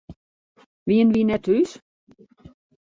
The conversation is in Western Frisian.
Wienen wy net thús?